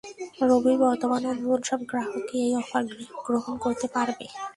রবির বর্তমান ও নতুন সব গ্রাহকই এই অফার গ্রহণ করতে পারবেন।